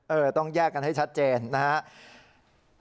ต้องแยกกันให้ชัดเจนนะครับ